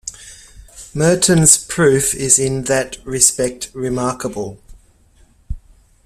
Mertens' proof is in that respect remarkable.